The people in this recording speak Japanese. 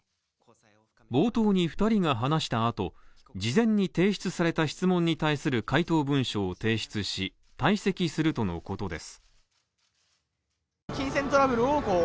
冒頭に２人が話したあと事前に提出された質問に対する回答文書を提出し退席するとのことです。